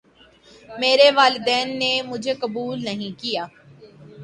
میرے والدین نے مجھے قبول نہیں کیا